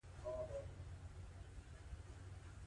پامیر د افغان ځوانانو لپاره ډېره لویه دلچسپي لري.